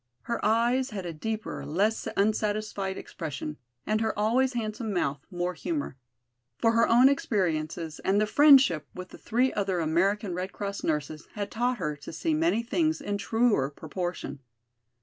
Her eyes had a deeper, less unsatisfied expression and her always handsome mouth more humor. For her own experiences and the friendship with the three other American Red Cross nurses had taught her to see many things in truer proportion.